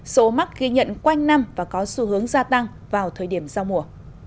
số mắc ghi nhận quanh năm và có xu hướng gia tăng vào thời điểm giao mùa